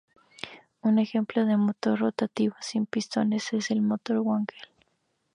Un ejemplo de motor rotativo sin pistones es el motor Wankel.